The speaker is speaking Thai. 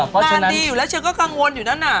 การดีอยู่แล้วเฉยก็กังวลอยู่ด้านนั้น